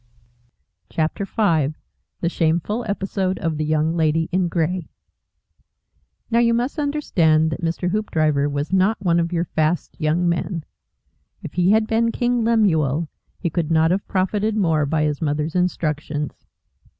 V. THE SHAMEFUL EPISODE OF THE YOUNG LADY IN GREY Now you must understand that Mr. Hoopdriver was not one of your fast young men. If he had been King Lemuel, he could not have profited more by his mother's instructions.